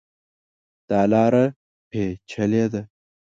دا لاره پېچلې ده.